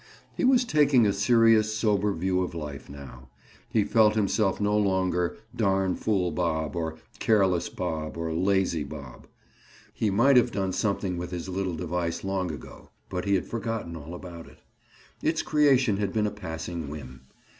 He was taking a serious sober view of life now. He felt himself no longer "darn fool Bob," or careless Bob, or lazy Bob. He might have done something with his little device long ago, but he had forgotten all about it. Its creation had been a passing whim.